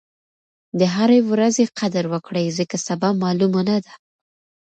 د هرې ورځې قدر وکړئ ځکه سبا معلومه نه ده.